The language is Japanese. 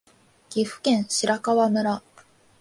岐阜県白川村